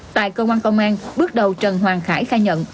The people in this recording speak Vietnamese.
tại công an công an bước đầu trần hoàng khải khai nhận